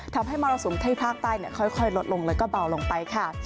มรสุมที่ภาคใต้ค่อยลดลงแล้วก็เบาลงไปค่ะ